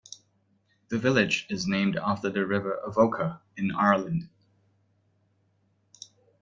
The village is named after the River Avoca, in Ireland.